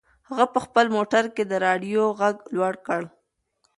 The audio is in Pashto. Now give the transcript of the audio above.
هغه په خپل موټر کې د رادیو غږ لوړ کړ.